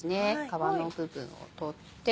皮の部分を取って。